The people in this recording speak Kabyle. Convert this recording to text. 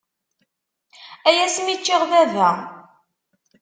Ay asmi iččiɣ baba!